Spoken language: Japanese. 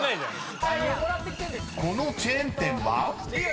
［このチェーン店は？］